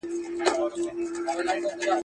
هغه د بن د موافقې په بهير کې ونډه لرله.